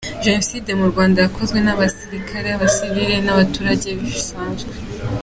Jenoside yo mu Rwanda yakozwe n’abasirikare, abasivili n‟’abaturage basanzwe.